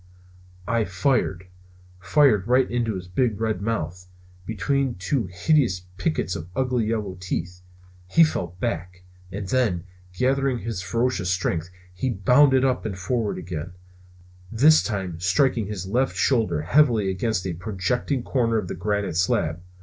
I fired! fired right into his big red mouth, between two hideous pickets of ugly yellow teeth. He fell back, and then, gathering his ferocious strength, he bounded up and forward again; this time striking his left shoulder heavily against a projecting corner of the granite slab.